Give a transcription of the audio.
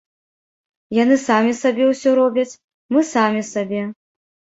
Яны самі сабе ўсё робяць, мы самі сабе.